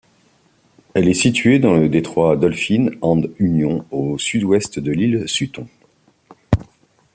Elle est située dans le détroit Dolphin and Union au sud-ouest de l'île Sutton.